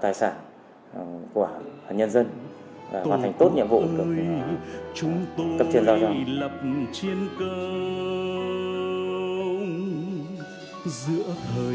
tài sản của nhân dân và hoàn thành tốt nhiệm vụ của cấp truyền giao giáo